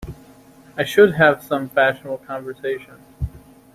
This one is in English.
I should have some fashionable conversation.